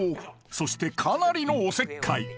そしてかなりのおせっかい